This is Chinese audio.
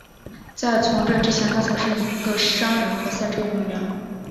在从政之前他曾是一位商人和赛车运动员。